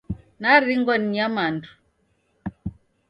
Naringwa ni nyamandu.